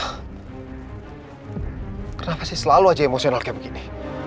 kenapa sih selalu aja emosional kayak begini